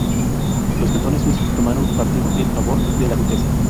Los cantones suizos tomaron partido en favor de la duquesa.